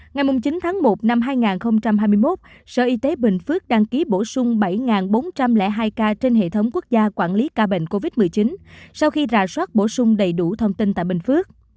ngày chín tháng một năm hai nghìn hai mươi một sở y tế bình phước đăng ký bổ sung bảy bốn trăm linh hai ca trên hệ thống quốc gia quản lý ca bệnh covid một mươi chín sau khi rà soát bổ sung đầy đủ thông tin tại bình phước